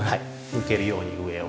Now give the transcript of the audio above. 抜けるように上を。